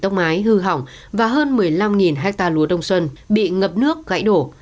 tốc mái hư hỏng và hơn một mươi năm hectare lúa đông xuân bị ngập nước gãy đổ